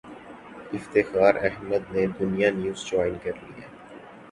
افتخار احمد نے Dunya news join کر لیا